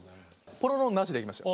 ポロロンなしでいきますよ。